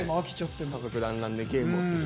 家族団らんでゲームをする。